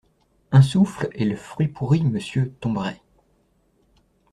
Un souffle, et le fruit pourri, Monsieur, tomberait!